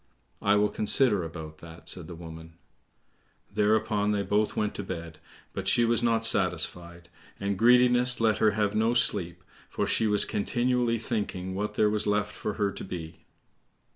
"I will consider about that," said the woman. Thereupon they both went to bed, but she was not satisfied, and greediness let her have no sleep, for she was continually thinking what there was left for her to be.